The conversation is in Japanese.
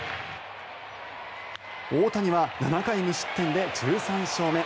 大谷は７回無失点で１３勝目。